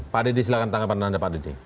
pak dedy silahkan tanggapan anda pak deddy